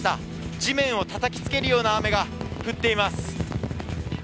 地面をたたきつけるような雨が降っています。